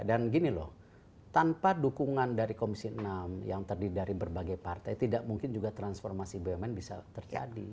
dan gini loh tanpa dukungan dari komisi enam yang terdiri dari berbagai partai tidak mungkin juga transformasi bumn bisa terjadi